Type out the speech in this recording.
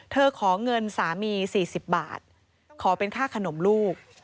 ขอเงินสามี๔๐บาทขอเป็นค่าขนมลูก